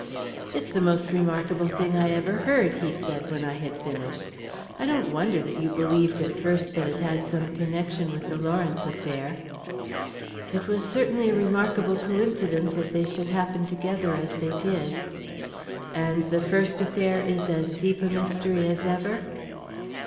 "It's the most remarkable thing I ever heard," he said, when I had finished. "I don't wonder that you believed at first that it had some connection with the Lawrence affair." "It was certainly a remarkable coincidence that they should happen together as they did." "And the first affair is as deep a mystery as ever?"